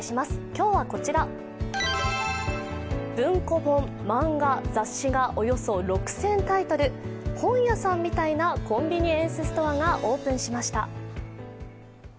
今日はこちら、文庫本・漫画・雑誌がおよそ６０００タイトル、本屋さんみたいなコンビニエンスストアがオープンしました。